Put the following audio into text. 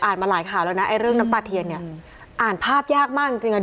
มาหลายข่าวแล้วนะไอ้เรื่องน้ำตาเทียนเนี่ยอ่านภาพยากมากจริงจริงอ่ะ